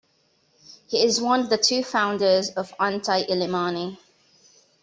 He is one of the two founders of Inti-Illimani.